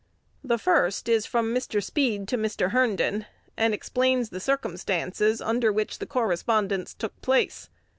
The first is from Mr. Speed to Mr. Herndon, and explains the circumstances under which the correspondence took place.